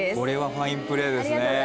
これはファインプレーですね。